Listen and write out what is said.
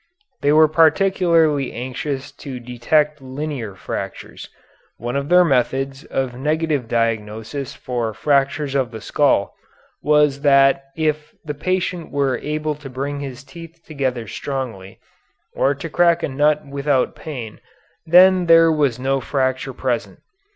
They were particularly anxious to detect linear fractures. One of their methods of negative diagnosis for fractures of the skull was that if the patient were able to bring his teeth together strongly, or to crack a nut without pain, then there was no fracture present.